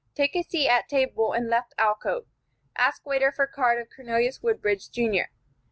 Take a seat at table in left alcove. Ask waiter for card of Cornelius Woodbridge, Junior.